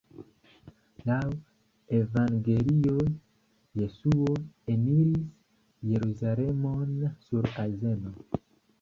Laŭ Evangelioj, Jesuo eniris Jerusalemon sur azeno.